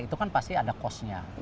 itu kan pasti ada cost nya